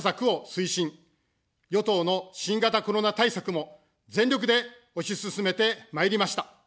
与党の新型コロナ対策も、全力で推し進めてまいりました。